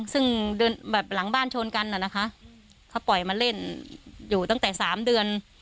ซึ่งแบบหลังบ้านชนกันน่ะนะคะเขาปล่อยมาเล่นอยู่ตั้งแต่สามเดือน